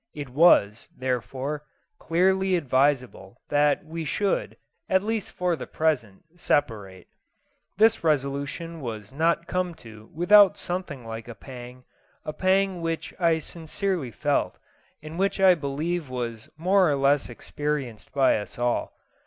It was, therefore, clearly advisable that we should, at least for the present, separate. This resolution was not come to without something like a pang a pang which I sincerely felt, and which I believe was more or less experienced by us all.